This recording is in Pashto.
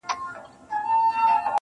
دا نجلۍ د دې د هر پرهر گنډونکي ده~